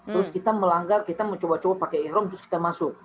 terus kita melanggar kita mencoba coba pakai ikhram terus kita masuk